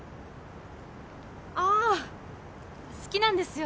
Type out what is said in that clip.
あ好きなんですよ